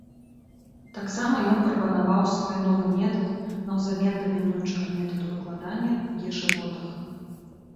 Тамсама ён прапанаваў свой новы метад наўзамен дамінуючага метаду выкладання ў ешыботах.